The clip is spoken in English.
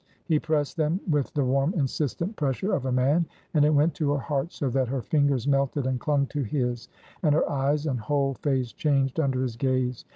He pressed them with the warm insistent pressure of a man, and it went to her heart so that her fingers melted and clung to his, and her eyes and whole face changed under his gaze.